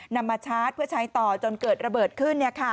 นำมาชาร์จเพื่อใช้ต่อจนเกิดระเบิดขึ้น